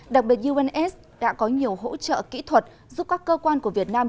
đặc biệt uns đã có nhiều hỗ trợ kỹ thuật giúp các cơ quan của việt nam